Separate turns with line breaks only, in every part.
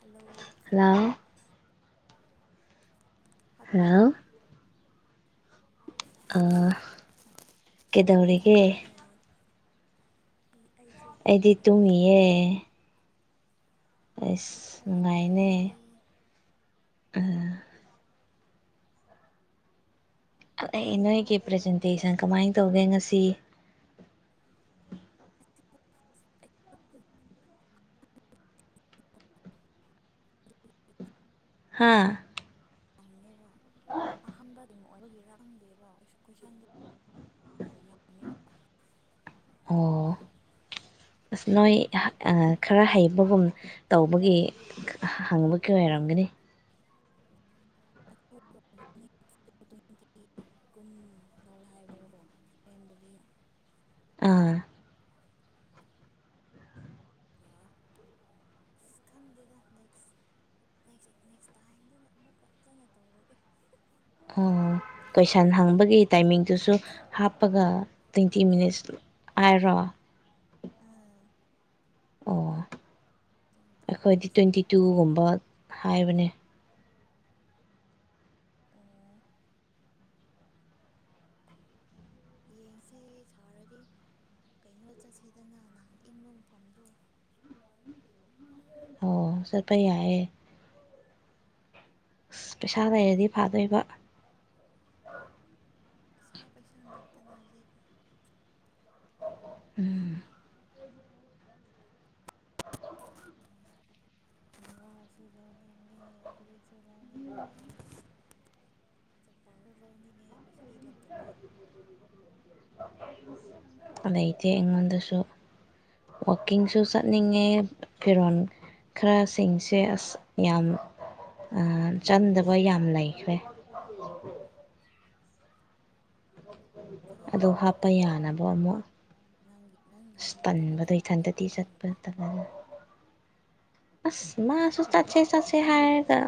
hello
hello
hello
hello ꯀꯩꯗꯧꯔꯤꯒꯤ
ꯑ
ꯑꯩꯗꯤ ꯇꯨꯝꯃꯤꯌꯦꯦ ꯑꯩꯁ
ꯍꯤꯞꯄꯒ
ꯉꯥꯏꯅꯦ
ꯂꯩꯌꯦ
ꯑ ꯑꯩ ꯅꯣꯏꯒꯤ ꯄ꯭ꯔꯖꯦꯟꯇꯦꯁꯟ ꯀꯃꯥꯏꯅ ꯇꯧꯒꯦ ꯉꯁꯤ ꯍꯥꯥ
ꯑꯉꯦ ꯑꯍꯝꯗꯗ ꯏ ꯑꯣꯏꯒꯤꯔꯥꯡꯗꯦꯕ ꯀꯣꯏꯁꯟꯗ
ꯑꯣ ꯑꯁ ꯅꯣꯏ ꯈꯔ ꯍꯩꯕꯒꯨꯝ ꯇꯧꯕꯒꯤ ꯍꯪꯕꯒꯤ ꯑꯣꯏꯔꯝꯒꯅꯤ
ꯇ꯭ꯋꯦꯟꯇꯤ ꯀꯨꯟ ꯂꯧ ꯍꯥꯏꯕꯅꯦꯕꯀꯣ ꯑꯦꯝꯗꯕꯤꯅ
ꯑꯥ
ꯑꯗꯨꯒ ꯑ ꯈꯪꯗꯦꯗ ꯅꯦꯛꯁ ꯅꯦꯛꯁ ꯇꯥꯏꯝꯗꯨꯅ ꯑꯃꯨꯛꯀꯖꯅ ꯇꯧꯔꯒꯦ
ꯀꯣꯏꯁꯟ ꯍꯪꯕꯒꯤ ꯇꯥꯏꯃꯤꯡꯗꯨꯁꯨ ꯍꯥꯞꯄꯒ ꯇ꯭ꯋꯦꯟꯇꯤ ꯃꯤꯅꯤꯠꯁ ꯍꯥꯏꯔꯣ
ꯑꯥ
ꯑꯣ
ꯇ꯭ꯋꯦꯟꯇꯤ
ꯑꯩꯈꯣꯏꯗꯤ
ꯃꯤꯅꯤꯠꯁ
ꯇ꯭ꯋꯦꯟꯇꯤ
ꯂꯧꯋꯦ
ꯇꯨꯒꯨꯝꯕ ꯍꯥꯏꯕꯅꯦ
ꯑꯣ ꯌꯦꯡꯁꯦ ꯁꯥꯔꯗꯤ ꯀꯩꯅꯣ ꯆꯠꯁꯤꯦꯗꯅ ꯅꯍꯥꯟ ꯏꯪꯕ ꯃꯐꯝꯗꯣ
ꯑꯣ ꯁꯄꯩꯑ ꯑꯁ ꯄꯩꯁꯥ ꯂꯩꯔꯗꯤ ꯐꯥꯗꯣꯏꯕ
ꯄꯩꯁꯥ ꯄꯩꯁꯥ ꯉꯥꯛꯇꯅꯤ ꯍꯧꯖꯤꯛ
ꯎꯝ
ꯍꯣ ꯏ
ꯎ
ꯆ ꯄꯥꯎ ꯂꯅꯤ ꯐꯦꯁꯤꯂꯤ ꯂꯩꯇꯕ
ꯂꯩꯇꯦ ꯑꯩꯉꯣꯟꯗꯁꯨ ꯋꯥꯛꯀꯤꯡꯁꯨ ꯆꯠꯅꯤꯡꯉꯦ ꯐꯤꯔꯣꯜ ꯈꯔꯁꯤꯡꯁꯦ ꯑꯁ ꯌꯥꯝ ꯆꯟꯗꯕ ꯌꯥꯝ ꯂꯩꯈ꯭ꯔꯦ
ꯆꯠꯄ
ꯑꯗꯨ
ꯍꯧꯔꯣꯗꯅ
ꯍꯥꯞꯄ ꯌꯥꯅꯕ ꯑꯃꯨꯛ
ꯅꯪꯒꯤ ꯅꯪꯒꯤ
ꯑꯁ
ꯑꯃꯗꯨꯒ
ꯇꯟꯕꯗꯣ ꯏꯊꯟꯇꯗꯤ ꯆꯠꯄ
ꯍꯧꯔꯣ
ꯇꯅꯅ ꯑꯁ ꯃꯥꯁꯨ ꯆꯠꯁꯦ ꯆꯠꯁꯦ ꯍꯥꯏꯔꯒ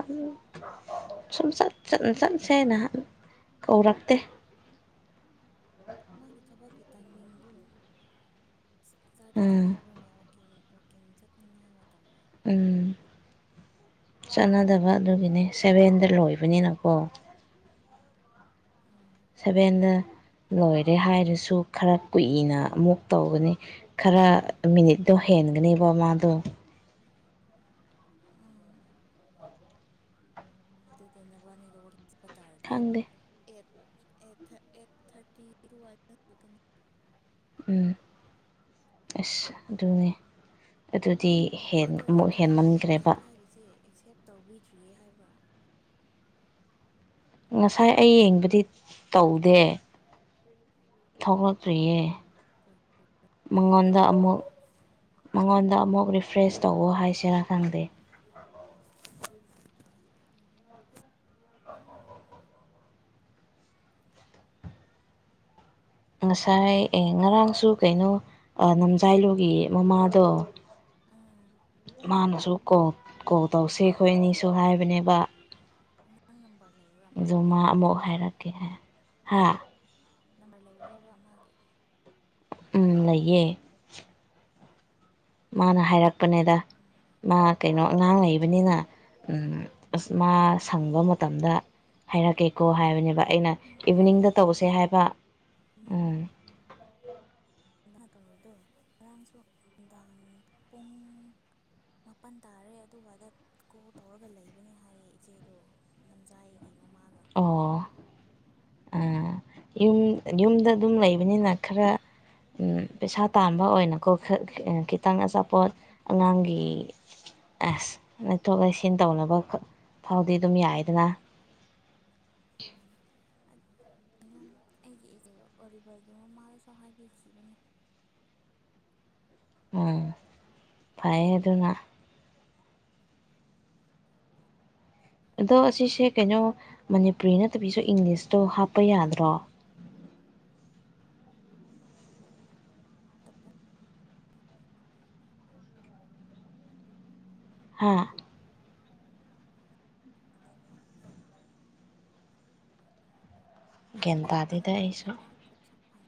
ꯁꯨꯝ ꯆꯠ ꯆꯠ ꯆꯠꯁꯦꯅꯍ ꯀꯧꯔꯛꯇꯦ
ꯃꯥꯒꯤ ꯊꯕꯒꯤ ꯇꯥꯏꯃꯤꯡꯗꯨ ꯊꯔꯇꯤ
ꯎꯝ
ꯇꯅꯥꯅꯦ ꯀꯤꯡ ꯆꯠꯅꯤꯡꯉꯥꯏ ꯃꯇꯝ
ꯎꯝ ꯆꯠꯅꯗꯕ ꯑꯗꯨꯒꯤꯅꯦ ꯁꯚꯦꯟꯗ ꯂꯣꯏꯕꯅꯤꯅꯀꯣ
ꯑꯥ
ꯁꯚꯦꯟꯗ ꯂꯣꯏꯔꯦ ꯍꯥꯏꯔꯁꯨ ꯈꯔ ꯀꯨꯏꯅ ꯑꯃꯨꯛ ꯇꯧꯒꯅꯤ ꯈꯔ ꯃꯤꯅꯤꯠꯇꯣ ꯍꯦꯟꯒꯅꯦꯕ ꯃꯥꯗꯣ
ꯑꯥ ꯑꯗꯨꯗꯅꯕꯅꯤ ꯂ ꯍꯁꯄꯇꯥꯜꯗꯤ
ꯈꯪꯗꯦ
ꯑꯦ ꯑꯦꯠ ꯊꯥꯔꯇꯤꯔꯅꯤ
ꯎꯝ ꯑꯁ ꯑꯗꯨꯅꯦ ꯑꯗꯨ ꯗꯤ
ꯑꯗꯣ
ꯑꯃꯨꯛ
ꯖꯪꯈꯥꯏꯒꯤ
ꯍꯦꯟꯃꯟꯈ꯭ꯔꯦꯕ
ꯖꯪꯈꯥꯏꯒꯤꯁꯦ ꯑꯦꯛꯁꯦꯞ ꯇꯧꯕꯤꯗ꯭ꯔꯤꯌꯦ ꯍꯥꯏꯕ꯭ꯔꯥ
ꯉꯁꯥꯏ ꯑꯩ ꯌꯦꯡꯕꯗꯤ ꯇꯧꯗꯦ ꯊꯣꯛꯂꯛꯇ꯭ꯔꯤꯌꯦ ꯃꯉꯥꯎꯗ ꯑꯃꯨꯛ ꯃꯉꯣꯟꯗ ꯑꯃꯨꯛ ꯔꯤꯐ꯭ꯔꯦꯁ ꯇꯧꯋ ꯍꯥꯏꯁꯤꯦꯔꯥ ꯈꯪꯗꯦ ꯉꯁꯥꯏ ꯑꯦ ꯉꯔꯥꯡꯁꯨ ꯀꯩꯅꯣ ꯅꯝꯖꯥꯏꯂꯨꯒꯤ ꯃꯃꯥꯗꯣ
ꯑꯥ
ꯃꯥꯅꯁꯨ ꯀꯣ ꯀꯣꯜ ꯇꯧꯁꯦ
ꯎꯝ
ꯈꯈꯣꯏꯅꯤꯁꯨ ꯍꯥꯏꯕꯅꯦꯕ
ꯅꯪ ꯅꯝꯕꯔ ꯂꯩꯕ꯭ꯔꯥ ꯃꯥꯒꯤ
ꯃꯥ ꯑꯃꯨꯛ ꯍꯥꯏꯔꯛꯀꯦ ꯍꯥꯏꯦ ꯍꯥꯥ
ꯅꯝꯕꯔ ꯂꯩꯕ꯭ꯔꯕ ꯑꯃꯒꯤ
ꯂꯩꯌꯦ ꯃꯥꯅ ꯍꯥꯏꯔꯛ ꯄꯅꯦꯗ ꯃꯥ ꯀꯩꯅꯣ ꯑꯉꯥꯡ ꯂꯩꯩꯕꯅꯤꯅ ꯑꯁ ꯃꯥ ꯁꯪꯕ ꯃꯇꯝꯗ ꯍꯥꯏꯔꯛꯀꯦꯀꯣ ꯍꯥꯏꯕꯅꯦꯕ ꯑꯩꯅ
ꯃꯥꯗꯣ
ꯏꯚꯤꯅꯤꯡꯗ ꯇꯧꯁꯦ ꯍꯥꯏꯕ ꯎꯝ
ꯇꯧꯔꯤꯗꯣ ꯉꯔꯥꯡꯁꯨ ꯅꯨꯡꯗꯥꯡ ꯄꯨꯡ ꯃꯥꯄꯟ ꯇꯥꯔꯦ ꯑꯗꯨꯋꯥꯏꯗ ꯀꯣ ꯇꯧꯔꯒ ꯂꯩꯕꯅꯦ ꯍꯥꯏꯌꯦ ꯏꯆꯦꯗꯣ ꯂꯝꯖꯥꯏꯒꯤ ꯃꯃꯥ
ꯑꯣ ꯑ ꯌꯨꯝ ꯌꯨꯝꯗ ꯑꯗꯨꯝ ꯂꯩꯕꯅꯤꯅ ꯈꯔ ꯄꯩꯁꯥ ꯇꯥꯥꯟꯕ ꯑꯣꯏꯅꯀꯣ ꯈꯤꯇꯪ ꯑꯆꯥꯄꯣꯠ ꯉꯪꯒꯤ
ꯎꯝ
ꯑꯁ ꯂꯩꯊꯣꯛ ꯂꯩꯁꯤꯟ ꯇꯧꯅꯕ ꯊꯥꯎꯗꯤ ꯑꯗꯨꯝ ꯌꯥꯏꯗꯅ
ꯎ ꯑꯩꯒꯤ ꯏ ꯑꯣꯂꯤꯕꯔꯒꯤ ꯃꯃꯥꯗꯁꯨ ꯍꯥꯏꯕꯤꯈꯤꯕꯅꯦ
ꯎ ꯐꯥꯏꯠꯅ ꯑꯗꯣ ꯑꯁꯤꯁꯦ ꯀꯩꯅꯣ ꯃꯅꯤꯄꯨꯔꯤ ꯅꯠꯇꯕꯤꯁꯨ ꯏꯪꯂꯤꯁꯇꯣ ꯍꯥꯞꯄ ꯌꯥꯗ꯭ꯔꯣ
[inaudible]
ꯍꯥ
ꯑꯗꯕ
ꯒꯦꯟꯇꯥꯗꯨꯗ ꯑꯩꯁꯨ
ꯄꯟ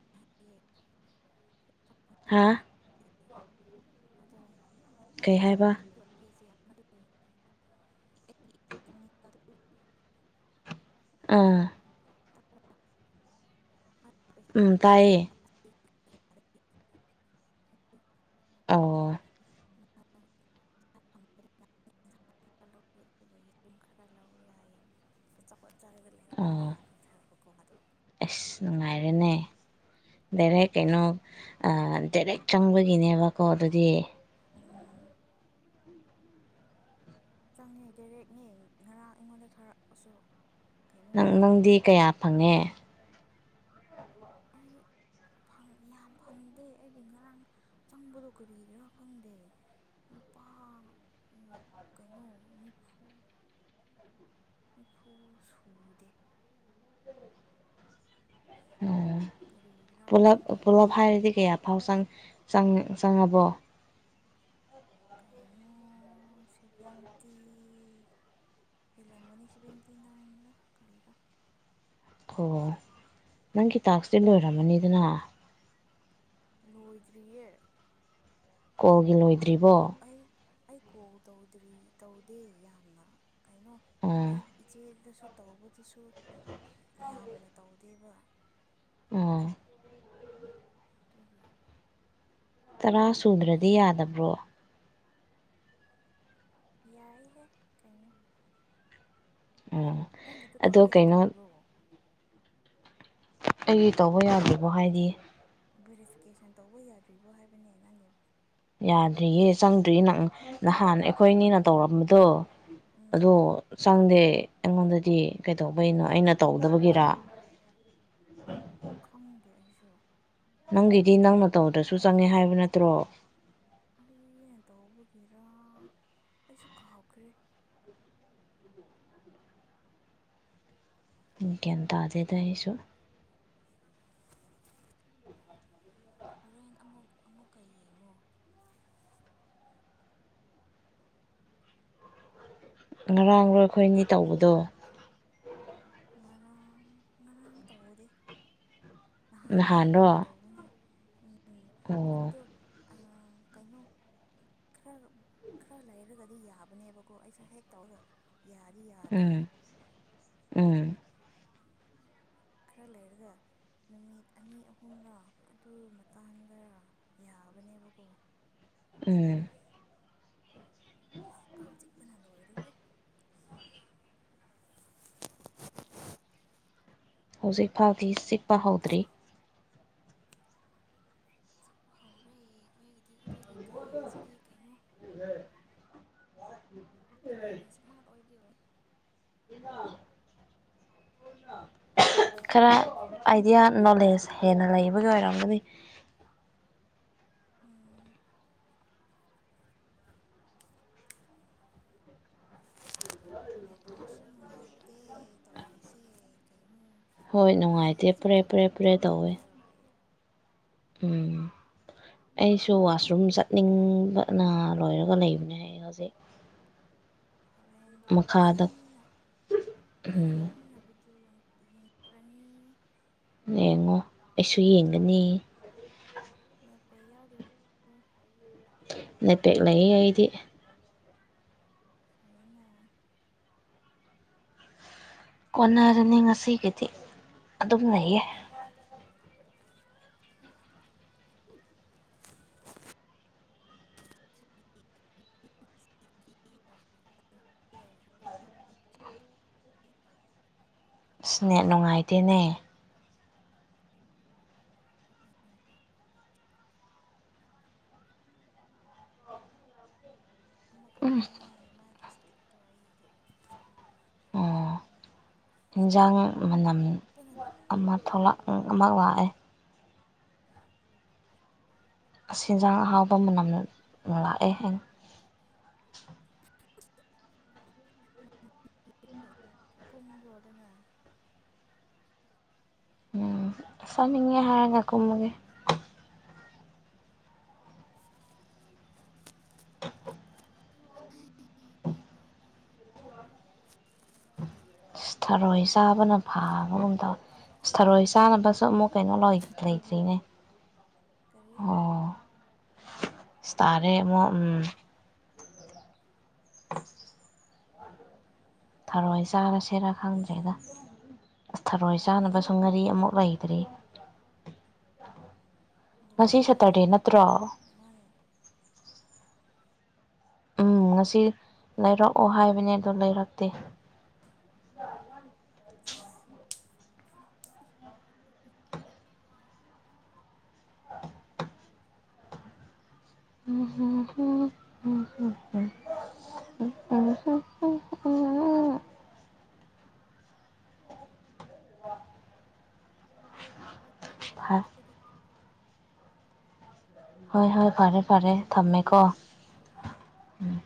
ꯍꯥꯥ
ꯑꯗꯣ
ꯀꯩ ꯍꯥꯏꯕ
ꯗꯨ ꯑꯗꯨ
ꯑꯥ
[inaudible]
ꯎ
ꯐꯪꯉꯦ
ꯇꯥꯏꯌꯦ
[inaudible] ꯑꯗꯨ
ꯑꯣ
ꯃꯥꯅ ꯄꯩꯁꯥ ꯑꯗꯨꯒꯨꯝ ꯈꯔ ꯂꯧꯔꯦ ꯍꯥꯏꯌꯦ ꯆꯥꯎ ꯆꯥꯂꯒ ꯂꯩꯔꯤꯕꯕꯅꯤ
ꯑꯣ
ꯍꯥꯏꯔ ꯊꯥꯕꯀꯣ ꯑꯗꯣ
ꯑꯁ ꯅꯨꯡꯉꯥꯏꯔꯦꯅꯦ ꯗꯥꯏꯔꯦꯛ ꯀꯩꯅꯣ ꯗꯥꯏꯔꯦꯛ ꯆꯪꯕꯒꯤꯅꯦꯕꯀꯣ ꯑꯗꯨꯗꯤ
ꯎꯝ ꯆꯪꯉꯦ ꯗꯥꯏꯔꯦꯛꯅꯦ ꯉꯔꯥꯡ ꯑꯩꯉꯣꯟꯗ ꯊꯥꯔꯛꯑꯁꯨ ꯀꯩꯅꯣ
ꯅꯪ ꯅꯪꯗꯤ
ꯊꯥꯔꯛꯄꯗꯣ
ꯀꯌꯥ ꯐꯪꯉꯦ
ꯑꯩ ꯌꯥꯝ ꯐꯪꯗꯦ ꯑꯩꯗꯤ ꯉꯔꯥꯡ ꯆꯪꯕꯗꯣ ꯀꯔꯤ ꯈꯔꯥ ꯐꯪꯗꯦ ꯂꯨꯄꯥ ꯀꯩꯅꯣ ꯅꯤꯐꯨ ꯅꯤꯐꯨ ꯁꯨꯗꯦ
ꯑꯣ
ꯀꯔꯤꯒꯤꯔꯥ
ꯄꯨꯂꯞ
ꯈꯪꯗꯦ
ꯄꯨꯣꯂꯞ ꯍꯥꯏꯔꯗꯤ ꯀꯌꯥ ꯐꯥꯎ ꯆꯪ ꯪ ꯆꯪꯉꯕꯣ
ꯀꯩꯅꯣ ꯁꯤꯕꯇꯤ ꯏꯂꯝ ꯃꯅꯤ ꯁꯤꯕꯇꯤꯅ ꯏꯡꯂ ꯀꯔꯤꯔ
ꯑꯣ ꯅꯪꯒꯤꯇꯥꯛꯇꯦ ꯂꯣꯏꯔꯝꯃꯅꯤꯗꯅ
ꯂꯣꯏꯗ꯭ꯔꯤꯌꯦ
ꯀꯣꯜꯒꯤ
ꯑꯩ
ꯂꯣꯏꯗ꯭ꯔꯤꯕꯣ
ꯑꯩ ꯑꯩ ꯀꯣ ꯇꯧꯗ꯭ꯔꯤ ꯇꯧꯗꯦ ꯌꯥꯝꯅ ꯀꯩꯅꯣ
ꯑꯣ
ꯑꯩ ꯏꯆꯦꯗꯁꯨ ꯇꯧꯕꯗꯨꯁꯨ ꯌꯥꯝꯅ ꯇꯧꯗꯦꯕ
ꯑꯣ
ꯇꯒꯤꯗꯒꯤ
ꯇꯔꯥ ꯁꯨꯗ꯭ꯔꯗꯤ ꯌꯥꯗꯕ꯭ꯔꯣ
ꯌꯥꯏ ꯍꯦꯛ ꯀꯩꯅꯩꯅꯣ
ꯎꯝ
ꯅꯪꯒꯤꯗꯨꯣ ꯇꯧ
ꯑꯗꯣ ꯀꯩꯅꯣ
ꯌꯥꯗ꯭ꯔꯤꯕꯣ
ꯑꯩꯒꯤ ꯇꯧꯕ ꯌꯥꯗ꯭ꯦꯔꯤꯕꯣ ꯍꯥꯏꯗꯤ
ꯕꯦꯔꯤꯐꯤꯀꯦꯁꯟ ꯇꯧꯕ ꯌꯥꯗ꯭ꯔꯤꯕꯣ ꯍꯥꯏꯕꯅꯦ ꯅꯪꯅꯦ
ꯌꯥꯗ꯭ꯔꯤꯌꯦ ꯆꯪꯗ꯭ꯔꯤꯌꯦ ꯅꯪ ꯅꯍꯥꯟ ꯑꯩꯈꯣꯏꯅꯤꯅ ꯇꯧꯔꯝꯕꯗꯣ
ꯎꯝ
ꯑꯗꯣ ꯆꯥꯡꯗꯦ ꯑꯩꯉꯣꯟꯗꯗꯤ ꯀꯩꯗꯧꯕꯩꯅꯣ ꯑꯩꯅ ꯇꯧꯗꯕꯒꯤꯔ
ꯈꯪꯗꯦ ꯑꯩꯁꯨ
ꯅꯪꯒꯤꯗꯤ ꯅꯪꯅ ꯇꯧꯗ꯭ꯔꯁꯨ ꯆꯪꯉꯦ ꯍꯥꯏꯕ ꯅꯠꯇ꯭ꯔꯣ
ꯑꯩꯅ ꯇꯧꯕꯒꯤꯔ ꯑꯩꯁꯨ ꯀꯍꯥꯎꯈ꯭ꯔꯦ
ꯏꯪꯀꯦꯇ ꯑꯗꯨꯗꯦ ꯇꯁꯨ
ꯍꯣꯔꯦꯟ ꯑꯃꯨꯛ ꯑꯃꯨꯛꯀ ꯌꯦꯡꯉꯨ
ꯉꯔꯥꯡꯔꯣꯏ ꯑꯩꯈꯣꯏꯅꯤ ꯇꯧꯕꯗꯣ
ꯉꯔꯥꯡ ꯉꯔꯥꯡ ꯇꯧꯗꯦ ꯅꯍꯥꯟꯅꯦ
ꯚꯥꯟꯗꯣ
ꯅꯍꯥꯟ ꯇꯧꯕꯅꯦ ꯎꯝ
ꯑꯣ
ꯑꯗꯣ ꯀꯩꯅꯣ ꯈꯔ ꯈꯔ ꯂꯩꯔꯒꯗꯤ ꯌꯥꯕꯅꯦꯕꯀꯣ ꯑꯩꯁꯨ ꯍꯦꯛ ꯇꯧꯔꯣꯏ ꯌꯥꯔꯤ ꯌꯥꯗꯦ
ꯎꯝ ꯎꯝ
ꯈꯔ ꯂꯩꯔꯒ ꯅꯨꯃꯤꯠ ꯑꯅꯤ ꯑꯍꯨꯝꯔꯥ ꯑꯗꯨ ꯃꯇꯥꯡꯗ ꯌꯥꯕꯅꯦꯕꯀꯣ
ꯎꯝ
ꯀꯁꯤꯛꯄ ꯅꯜ ꯑꯣꯏꯦ [unintelligible]
ꯍ ꯍꯧꯖꯤꯛ ꯐꯥꯎꯗꯤ ꯆꯤꯛꯄ ꯍꯧꯗ꯭ꯔꯤ
ꯆꯤꯛꯄ ꯍꯧꯔꯦ ꯑꯩꯈꯣꯏꯒꯤꯗꯤ ꯑꯩꯈꯣꯏꯒꯤ ꯀꯥꯡꯁꯤꯗꯤ ꯀꯩꯅꯣ ꯌꯥꯝꯅ ꯏꯁꯃꯥꯔꯠ ꯑꯣꯏꯅꯦ
ꯈꯔ ꯑꯥꯏꯗꯤꯌꯥ ꯅꯣꯂꯦꯖ ꯍꯦꯟꯅ ꯂꯩꯕꯒꯤ ꯑꯣꯏꯔꯝꯒꯅꯤ
ꯎꯝ
ꯑ
ꯅꯦꯠꯋꯔꯥꯛꯁꯨ ꯅꯨꯡꯉꯥꯏ ꯇꯧꯔꯤꯁꯤꯦ ꯀꯩ
ꯍꯣꯏ ꯅꯨꯡꯉꯥꯏꯇꯦ ꯐꯔꯦ ꯐꯔꯦ
ꯇꯛ
ꯐꯔꯦ
ꯇꯛ ꯇꯛ
ꯇꯧꯋꯦ
ꯂꯣꯏꯔꯛꯑꯦ
ꯎꯝ ꯑꯩꯁꯨ ꯋꯥꯁꯔꯨꯝ ꯆꯠꯅꯤꯡꯕꯅ ꯂꯣꯏꯔꯒ ꯂꯩꯕꯅꯦ ꯑꯩ ꯍꯧꯖꯤꯛ
ꯍꯣꯔꯦꯟꯗꯤ
ꯃꯈꯥꯗ
ꯐꯖꯅ
ꯎꯝ
ꯐꯖꯅ ꯚꯤꯗꯤꯑꯣ ꯌꯦꯡ
ꯌꯦꯡꯉꯣ ꯑꯩꯁꯨ ꯌꯦꯡꯒꯅꯤ
ꯑꯦꯦꯄꯦ ꯌꯥꯎꯔꯤꯕ
ꯅ ꯄꯦꯛꯂꯛꯏ ꯑꯩꯗꯤ
ꯐꯩꯅ
ꯀꯣꯟꯅꯔꯅꯤ ꯉꯁꯤꯒꯤꯗꯤ ꯑꯗꯨꯝ ꯂꯩꯌꯦ
ꯌꯥꯖꯒ
ꯑꯁꯅꯦ ꯅꯨꯡꯉꯥꯏꯇꯦꯅꯦ ꯎꯝ
ꯑꯃꯈꯛꯇꯅꯦ ꯃꯥꯒꯤ ꯏꯁꯇꯤꯛꯇꯣ ꯑꯩꯗꯤ
ꯑꯣ ꯏꯟꯖꯥꯡ ꯃꯅꯝ
ꯄꯨꯟꯅ
ꯑꯃ ꯊꯣꯛꯂꯛ ꯑꯃ ꯂꯥꯛꯑꯦ ꯁꯦꯟꯖꯥꯡ ꯑꯍꯥꯎꯕ ꯃꯅꯝ ꯂꯥꯛꯑꯦ ꯍ
ꯀꯨꯝ꯭ꯔꯣꯗ ꯉ
ꯎꯝ ꯁꯃꯤꯦ ꯍꯔꯥꯡ ꯉꯀꯨꯝꯃꯒꯦ ꯏꯁꯊꯔꯣꯏ ꯆꯥꯕꯅ
ꯋꯥꯏꯗ
ꯐꯥꯕꯒꯨꯝ
ꯋꯥꯏꯗ
ꯇꯧꯋꯦ
ꯄꯨꯡ
ꯏꯁꯊꯔꯣꯏ
ꯇꯔꯨꯛ
ꯆꯥꯅꯕꯁꯨ ꯑꯃꯨꯛ
ꯇꯥꯔꯦ
ꯀꯩꯅꯣ ꯂꯩꯇ꯭ꯔꯤꯅꯦ
ꯀꯔꯤ
ꯑꯣ ꯇꯥꯇꯥꯔꯦ ꯑꯃꯛ ꯊꯔꯣꯏ ꯆꯥꯔꯁꯤꯦꯔꯥ ꯈꯪꯗ꯭ꯔꯦꯗ ꯑꯁ ꯊꯔꯣꯏ ꯆꯥꯅꯕꯁꯨ ꯉꯥꯔꯤ ꯑꯃꯨꯛ ꯂꯩꯇ꯭ꯔꯤ ꯉꯁꯤ
ꯂꯣꯏꯈ꯭ꯔꯕ
ꯁꯇꯔꯗꯦ
ꯅꯣꯏꯒꯤ
ꯅꯠꯇ꯭ꯔꯣ
ꯃꯥꯒꯤ
ꯎꯝ ꯉꯁꯤ ꯂꯩꯔꯛꯑꯣ ꯍꯥꯏꯕꯅꯦ ꯑꯗꯨ ꯂꯩꯔꯛꯇꯦ [inaudible]
ꯍꯣꯏ ꯍꯣꯏ
[inaudible]
ꯐꯔꯦ
ꯐꯥ [inaudible]
ꯑꯗꯨꯗꯤ
ꯍꯣꯏ ꯍꯣꯏ ꯐꯔꯦ ꯐꯔꯦ ꯊꯝꯃꯦꯀꯣ ꯎꯝ